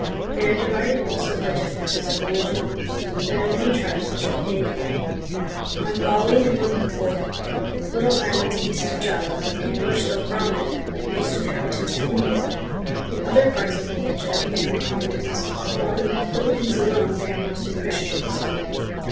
They are divided also by differ ences of religion. There are many tribes which are pagan. On . Bali and Lombok, little islands east of Java, the people are still Brahmin, like most inhabitants of India. In other parts of Malaysia they are Mohammedans, while in the Philippines alone they are mostly Christians.